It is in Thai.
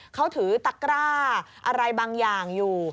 เขาถือตะกร้าอะไรบางอย่างอยู่